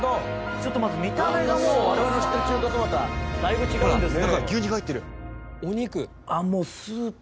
ちょっとまず見た目がもう我々の知ってる中華そばとはだいぶ違うんですけど。